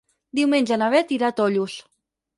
Diumenge na Beth irà a Tollos.